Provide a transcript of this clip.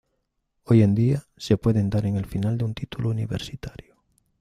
Hoy en día, se pueden dar en el final de un título universitario.